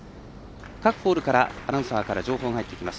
各ホールからアナウンサーから情報が入ってきます。